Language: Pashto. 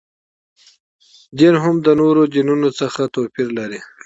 دین هم د نورو دینونو څخه توپیر لري.